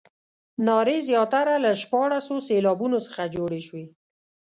نارې زیاتره له شپاړسو سېلابونو څخه جوړې شوې.